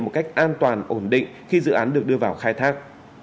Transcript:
một cách an toàn ổn định khi dự án được đưa vào khai thác